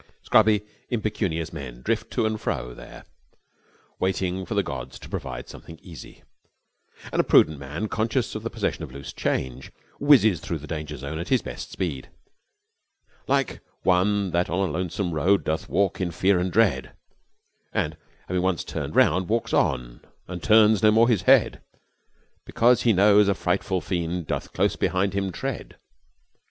Scrubby, impecunious men drift to and fro there, waiting for the gods to provide something easy; and the prudent man, conscious of the possession of loose change, whizzes through the danger zone at his best speed, 'like one that on a lonesome road doth walk in fear and dread, and having once turned round walks on, and turns no more his head, because he knows a frightful fiend doth close behind him tread.'